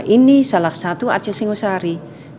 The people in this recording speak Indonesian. ini salah satu arca singosari